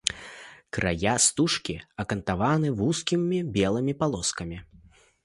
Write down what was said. Края стужкі акантаваны вузкімі белымі палоскамі.